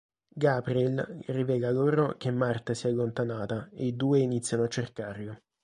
Gabriel rivela loro che Martha si è allontanata e i due iniziano a cercarla.